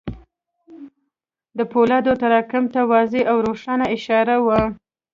د پولادو تراکم ته واضح او روښانه اشاره وه.